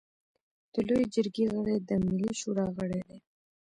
د لويې جرګې غړي د ملي شورا غړي دي.